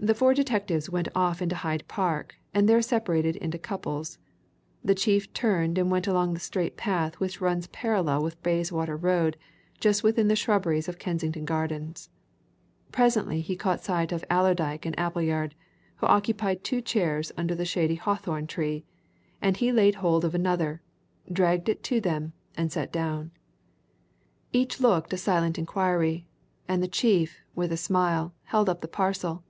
The four detectives went off into Hyde Park, and there separated in couples; the chief turned and went along the straight path which runs parallel with Bayswater Road just within the shrubberies of Kensington Gardens. Presently he caught sight of Allerdyke and Appleyard, who occupied two chairs under a shady hawthorn tree, and he laid hold of another, dragged it to them, and sat down. Each looked a silent inquiry, and the chief, with a smile, held up the parcel.